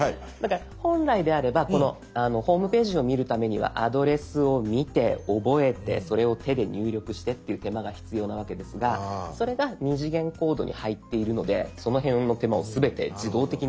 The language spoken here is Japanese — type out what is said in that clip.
本来であればこのホームページを見るためにはアドレスを見て覚えてそれを手で入力してっていう手間が必要なわけですがそれが２次元コードに入っているのでその辺の手間を全て自動的にやってくれたと。